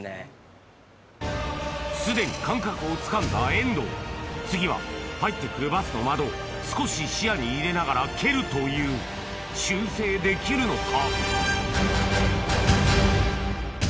すでに感覚をつかんだ遠藤次は入ってくるバスの窓を少し視野に入れながら蹴るという修正できるのか？